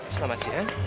selamat siang pak